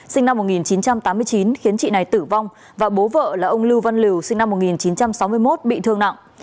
sinh năm một nghìn chín trăm tám mươi chín khiến chị này tử vong và bố vợ là ông lưu văn liều sinh năm một nghìn chín trăm sáu mươi một bị thương nặng